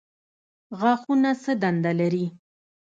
غاښونه څه دنده لري؟